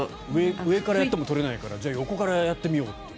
上からやっても取れないからじゃあ、横からやってみようと。